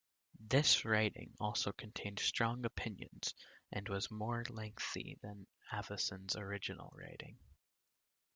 This writing also contained strong opinions and was more lengthy than Avison's original writing.